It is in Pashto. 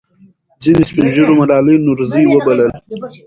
ځینې سپین ږیرو ملالۍ نورزۍ وبلله.